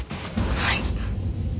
はい。